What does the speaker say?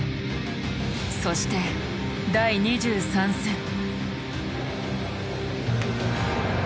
そして第２３戦。